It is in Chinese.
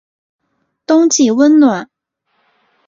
冬季温暖。